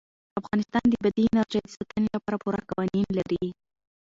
افغانستان د بادي انرژي د ساتنې لپاره پوره قوانین لري.